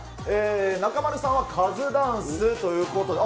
中丸さんはカズダンスということで。